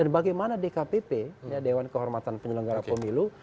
bagaimana dkpp dewan kehormatan penyelenggara pemilu